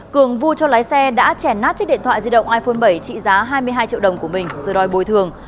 cường vui cho lái xe đã chẻ nát chiếc điện thoại di động iphone bảy trị giá hai mươi hai triệu đồng của mình rồi đòi bồi thường